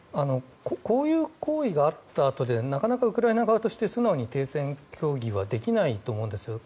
こういう行為があったあとでなかなかウクライナ側として素直に停戦協議はできないと思います。